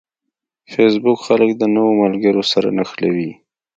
فېسبوک خلک د نوو ملګرو سره نښلوي